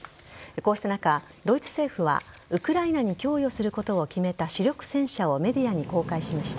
こうした中ドイツ政府はウクライナに供与することを決めた主力戦車をメディアに公開しました。